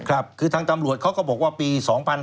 ครับคือทางตำรวจเขาก็บอกว่าปี๒๕๕๙